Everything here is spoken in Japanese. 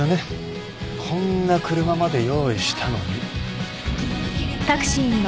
こんな車まで用意したのに。